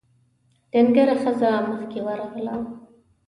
ډنګره ښځه مخکې ورغله: